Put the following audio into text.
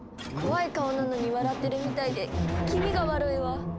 怖い顔なのに笑ってるみたいで気味が悪いわ。